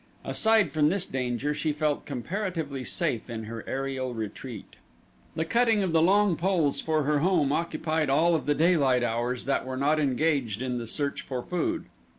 Aside from this danger she felt comparatively safe in her aerial retreat. The cutting of the long poles for her home occupied all of the daylight hours that were not engaged in the search for food.